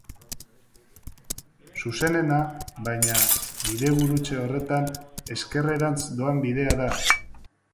Zuzenena, baina, bidegurutze horretan, ezkerrerantz doan bidea da.